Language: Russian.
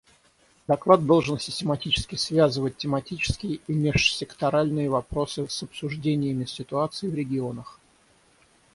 Доклад должен систематически связывать тематические и межсекторальные вопросы с обсуждениями ситуаций в регионах.